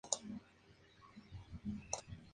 Allen es hija del reconocido politólogo William B. Allen.